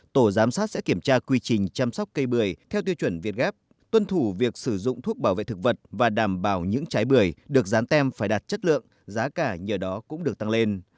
tổ giám sát sẽ kiểm tra quy trình chăm sóc cây bưởi theo tiêu chuẩn việt gáp tuân thủ việc sử dụng thuốc bảo vệ thực vật và đảm bảo những trái bưởi được dán tem phải đạt chất lượng giá cả nhờ đó cũng được tăng lên